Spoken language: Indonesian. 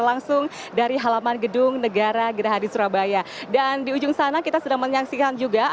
masuk dalam agenda destinasi wisata anda selanjutnya